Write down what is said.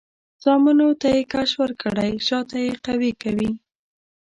زامنو ته یې کش ورکړی؛ شاته یې قوي کوي.